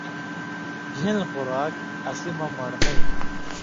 گِھن٘ل خوراک اسی مہ من٘ڑنئ تُھو۔